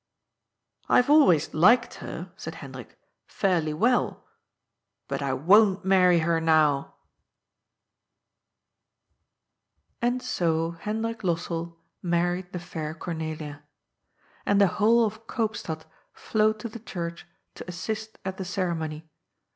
" I have always liked her," said Hendrik, " fairly well. But I won't marry her now." BLANK. 171 And so Hendrik Lossell married the fair Cornelia. And the whole of Koopstad flowed to the church ^^ to assist " at the ceremony.